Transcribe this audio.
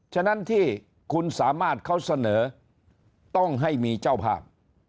ฉะนั้นที่คุณสามารถเขาเสนอต้องให้มีเจ้าภาพ